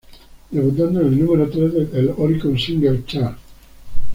Debutando en el número tres el Oricon singles Chart.